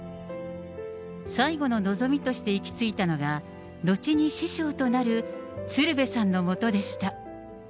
最後の望みとして行き着いたのが、後に師匠となる鶴瓶さんのもとでした。